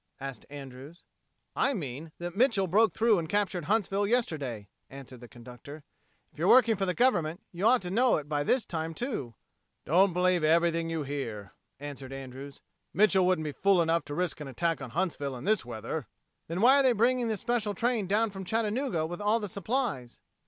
asked Andrews. "I mean that Mitchel broke through and captured Huntsville yesterday," answered the conductor. "If you're working for the government, you ought to know it by this time, too." "Don't believe everything you hear," answered Andrews. "Mitchel wouldn't be fool enough to risk an attack on Huntsville in this weather." "Then why are they bringing this special train down from Chattanooga with all the supplies?"